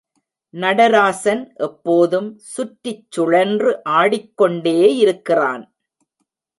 நடராசன் எப்போதும் சுற்றிச் சுழன்று ஆடிக் கொண்டே இருக்கிறான்.